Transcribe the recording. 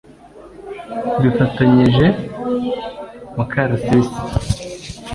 bifatanyije mu karasisi